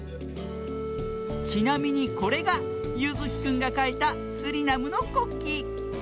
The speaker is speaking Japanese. ちなみにこれがゆずきくんがかいたスリナムのこっき。